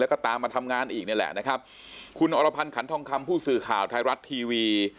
แล้วก็ตามมาทำงานอีกนี่แหละนะครับคุณอรพันธ์ขันทองคำผู้สื่อข่าวไทยรัฐทีวี